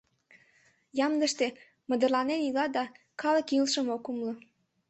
— Ямдыште мындырланен ила да калык илышым ок умыло.